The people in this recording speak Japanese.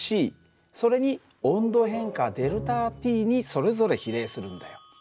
ｃそれに温度変化ΔＴにそれぞれ比例するんだよ。